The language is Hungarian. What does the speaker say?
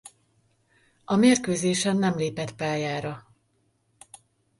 A mérkőzésen nem lépett pályára.